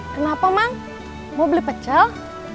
kenapa mang mau beli pecel